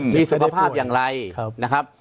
มีสุขภาพอย่างไรนะครับ